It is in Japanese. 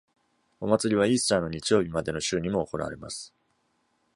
お祭りはイースターの日曜日までの週にも行われます。